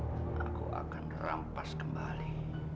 aku akan rampas kembali